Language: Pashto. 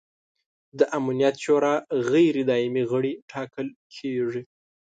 د امنیت شورا غیر دایمي غړي ټاکل کیږي.